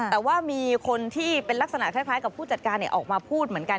แต่ว่ามีคนที่เป็นลักษณะคล้ายกับผู้จัดการออกมาพูดเหมือนกัน